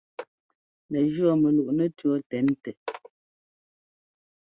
Nɛ jʉɔ́ mɛluꞋ nɛtʉ̈ɔ́ tɛn tɛ.